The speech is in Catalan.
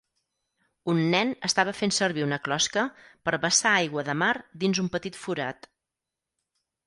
Un nen estava fent servir una closca per vessar aigua de mar dins un petit forat.